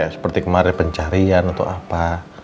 seperti kemarin pencarian atau apa